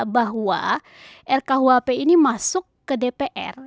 bahwa ru kuhp ini masuk ke dpr